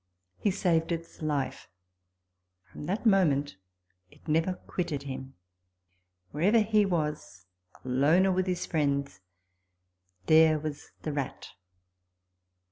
He saved its life ; and from that moment it never quitted him : wherever he was, alone or with his friends, there was the rat.